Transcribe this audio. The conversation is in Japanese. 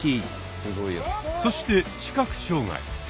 そして視覚障害。